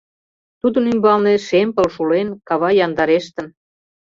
Тудын ӱмбалне шем пыл шулен, кава яндарештын.